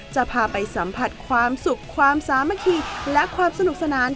จะพาไปสัมผัสความสุขความสามัคคีและความสนุกสนาน